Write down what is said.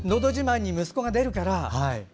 「のど自慢」に息子が出るから。